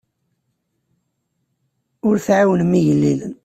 Ur tɛawnem igellilen.